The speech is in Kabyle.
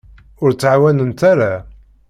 Ur ttɛawanent ara.